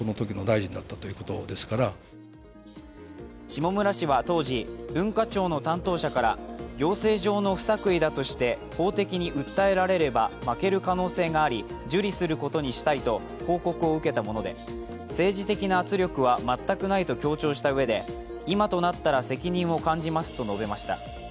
下村氏は当時、文化庁の担当者から行政上の不作為だとして法的に訴えられれば負ける可能性があり、受理することにしたいと報告を受けたもので政治的な圧力は全くないと強調したうえで今となったら責任を感じますと述べました。